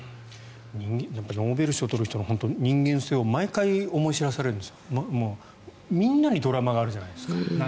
ノーベル賞取る人の人間性を毎回、思い知らされるんですがみんなにドラマがあるじゃないですか。